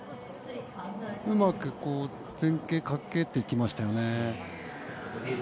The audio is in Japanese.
うまく前傾かけていきましたよね。